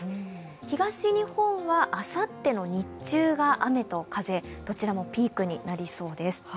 東日本はあさっての日中が雨と風、どちらもピークになりそうです。